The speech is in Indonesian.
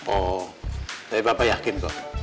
oh tapi bapak yakin kok